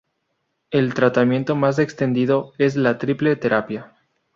El tratamiento más extendido es la triple terapia.